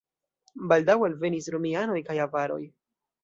Baldaŭe alvenis romianoj kaj avaroj.